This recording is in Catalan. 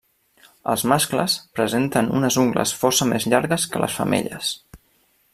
Els mascles presenten unes ungles força més llargues que les femelles.